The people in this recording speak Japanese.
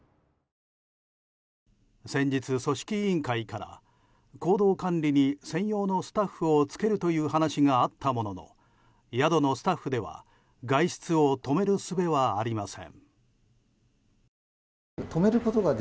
先日、組織委員会から行動管理に専用のスタッフをつけるという話があったものの宿のスタッフでは外出を止めるすべはありません。